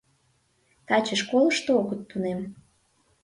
Таче школышто огыт тунем.